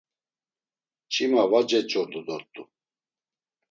Mç̌ima var ceç̌ordu dort̆u.